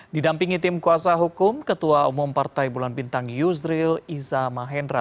didampingi tim kuasa hukum ketua umum partai bulan bintang yusril iza mahendra